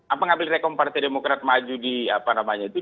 apa ngambil rekom partai demokrat maju di apa namanya itu